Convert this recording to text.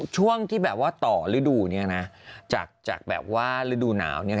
ช่วงที่แบบว่าต่อฤดูเนี่ยนะจากแบบว่าฤดูหนาวเนี่ย